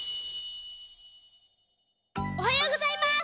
おはようございます！